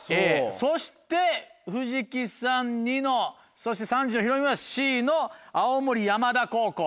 そして藤木さんニノそして３時のヒロインはＣの青森山田高校。